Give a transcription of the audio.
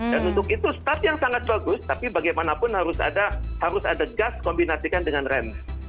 dan untuk itu start yang sangat bagus tapi bagaimanapun harus ada gas kombinasikan dengan rem